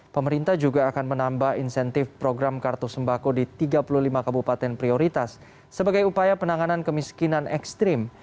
pemerintah juga akan menambah insentif program kartu sembako di tiga puluh lima kabupaten prioritas sebagai upaya penanganan kemiskinan ekstrim